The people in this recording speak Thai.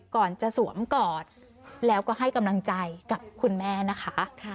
ก่อนจะสวมกอดแล้วก็ให้กำลังใจกับคุณแม่นะคะ